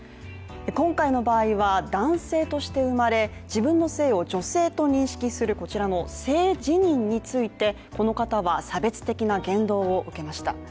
今回の場合は男性として生まれ自分の性を女性として認識するこちらの性自認について、この方は差別的な言動を受けました。